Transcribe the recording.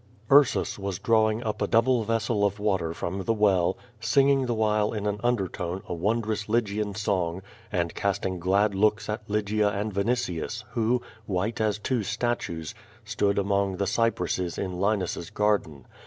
Ursus was drawing up a double vessel of water from the well, singing the while in an undertone a wondrous Lygian song, and casting glad looks at Lygia and Vinitius, who, white as two statues, stood among the cypresses in Linus's garden.